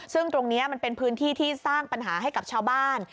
ซึ่งตรงนี้มันเป็นพื้นที่ที่สร้างปัญหาให้กับชาวบ้าน